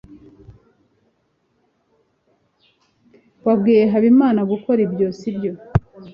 wabwiye habimana gukora ibyo, sibyo